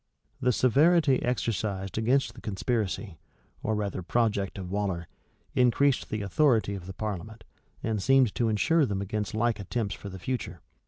[] The severity exercised against the conspiracy, or rather project of Waller, increased the authority of the parliament, and seemed to insure them against like attempts for the future.